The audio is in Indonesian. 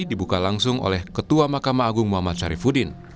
dibuka langsung oleh ketua mahkamah agung muhammad syarifudin